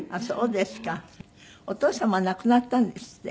お父様は亡くなったんですって？